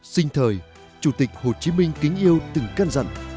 sinh thời chủ tịch hồ chí minh kính yêu từng cân dặn